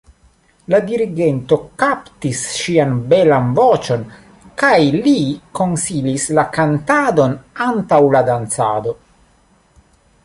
La dirigento kaptis ŝian belan voĉon kaj li konsilis la kantadon antaŭ la dancado.